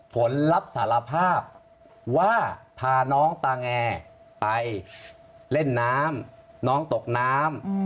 ผลรับสารภาพว่าพาน้องตาแงไปเล่นน้ำน้องตกน้ำ